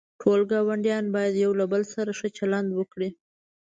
ټول گاونډیان باید یوله بل سره ښه چلند وکړي.